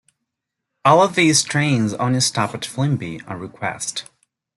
All of these trains only stop at Flimby on request.